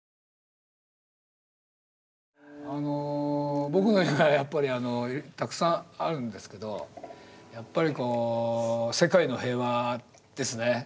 あの僕の夢はやっぱりたくさんあるんですけどやっぱりこう「世界の平和」ですね。